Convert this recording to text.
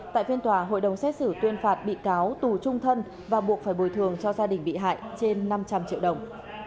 tại phiên tòa hội đồng xét xử tuyên phạt bị cáo tù trung thân và buộc phải bồi thường cho gia đình bị hại trên năm trăm linh triệu đồng